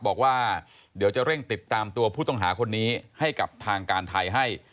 บอกว่าเดี๋ยวจะเร่งติดตามตัวผู้ต้องหาคนนี้ให้กับทางการไทยให้